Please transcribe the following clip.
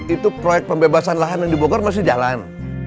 itu proyek pembebasan lahan yang dibongkar masih jalan